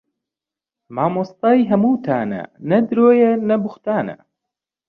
مامۆستای هەمووتانە نە درۆیە نە بووختانە